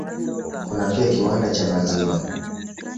Kuna pia kiwanda cha maziwa.